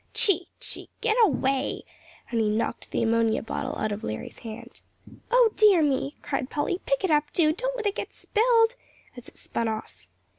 "Tchee! Tchee! Get away," and he knocked the ammonia bottle out of Larry's hand. "O dear me!" cried Polly, "pick it up, do; don't let it get spilled," as it spun off.